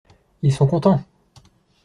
Ils sont contents!